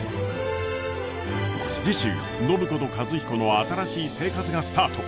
次週暢子と和彦の新しい生活がスタート！